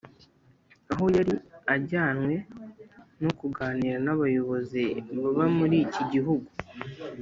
aho yari ajyanwe no kuganira n’abayobozi baba muri iki gihugu